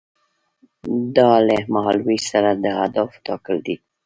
دا له مهال ویش سره د اهدافو ټاکل دي.